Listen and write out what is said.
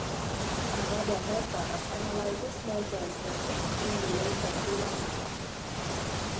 Another method of analysis measures the peaks in relation to one another.